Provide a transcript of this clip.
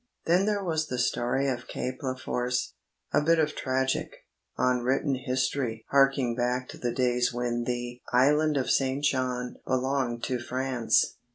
Then there was the story of Cape Leforce, a bit of tragic, unwritten history harking back to the days when the "Island of St. John" belonged to France.